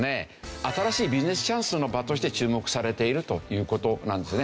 新しいビジネスチャンスの場として注目されているという事なんですよね。